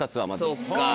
そっか。